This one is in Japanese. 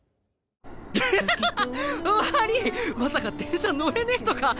まさか電車乗れねぇとか。